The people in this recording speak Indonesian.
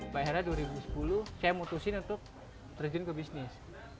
pada tahun dua ribu sepuluh saya memutuskan untuk berhenti ke bisnis